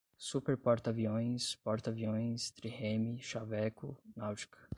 Superporta-aviões, porta-aviões, trirreme, xaveco, náutica